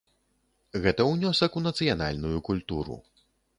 Гэта ўнёсак у нацыянальную культуру.